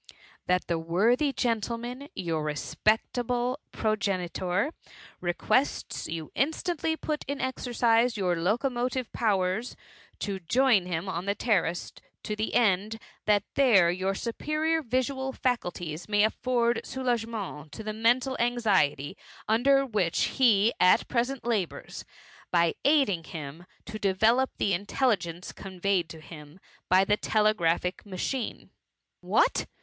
^^ Tliat the worthy gentleman, your respect* able progenitor, requests you instantly to put in exercise your locomotive powers to join him on the terrace, to the end, that there your superior visual faculties may afford soulage^ merit to the mental anxiety under which he at present labours, by aiding him to develope the intelligence conveyed to him by the telegraphic machine.*^ " What